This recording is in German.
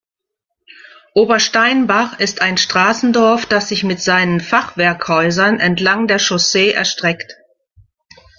Obersteinbach ist ein Straßendorf, das sich mit seinen Fachwerkhäusern entlang der Chaussee erstreckt.